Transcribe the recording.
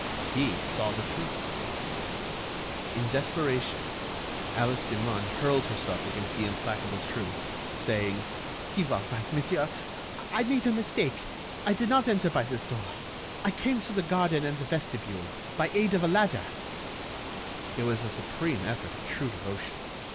He saw the truth! In desperation, Alice Demun hurled herself against the implacable truth, saying: "You are right, monsieur. I made a mistake. I did not enter by this door. I came through the garden and the vestibule ... by aid of a ladder—" It was a supreme effort of true devotion.